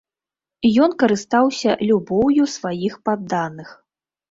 Ён карыстаўся любоўю сваіх падданых.